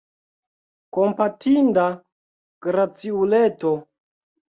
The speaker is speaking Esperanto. Kompatinda graciuleto!